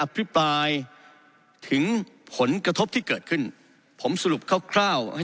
พิปรายถึงผลกระทบที่เกิดขึ้นผมสรุปคร่าวให้